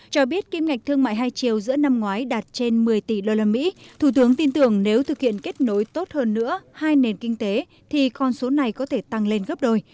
cho biết kim ngạch thương mại hai triệu giữa năm ngoái đạt trên một mươi tỷ usd thủ tướng tin tưởng nếu thực hiện kết nối tốt hơn nữa hai nền kinh tế thì con số này có thể tăng lên gấp đôi